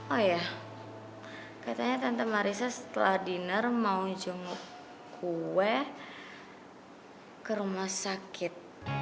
oh ya katanya tante marisa setelah dinner mau jenguk kue ke rumah sakit